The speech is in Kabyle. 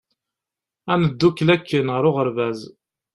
Ad ndukkel akken ɣer uɣeṛbaz!